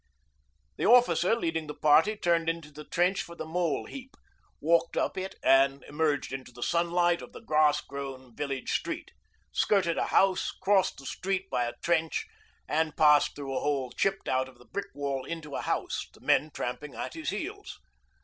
The officer leading the party turned into the trench for 'The Mole Heap,' walked up it, and emerged into the sunlight of the grass grown village street, skirted a house, crossed the street by a trench, and passed through a hole chipped out of the brick wall into a house, the men tramping at his heels.